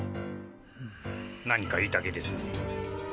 何か言いたげですね。